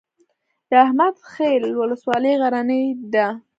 د احمد خیل ولسوالۍ غرنۍ ده